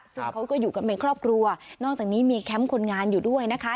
ซึ่งเขาก็อยู่กันเป็นครอบครัวนอกจากนี้มีแคมป์คนงานอยู่ด้วยนะคะ